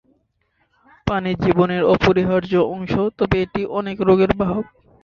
পানি জীবনের অপরিহার্য অংশ তবে এটি অনেক রোগের বাহক।